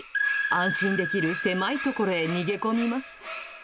安心できる狭いところへ逃げ込みます。